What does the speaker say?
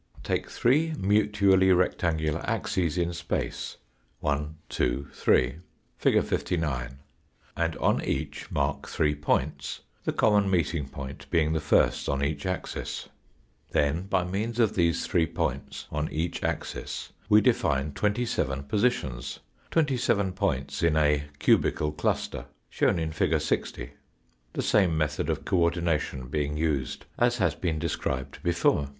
Take three mutually rectangular axes in space 1, 2, 3 (fig. 59), and on each mark three points, the common meeting point being the first on each axis. Then by means of these three points on each axis we define 27 positions, 27 points in a cubical cluster, shown in fig. 60, the same method of co ordination being used as has been described before.